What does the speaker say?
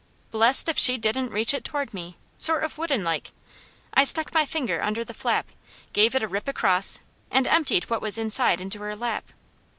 Blest if she didn't reach it toward me! sort of woodenlike. I stuck my finger under the flap, gave it a rip across and emptied what was inside into her lap.